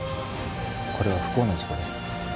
これは不幸な事故です。